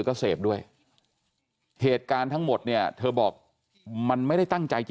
ก็เสพด้วยเหตุการณ์ทั้งหมดเนี่ยเธอบอกมันไม่ได้ตั้งใจจะ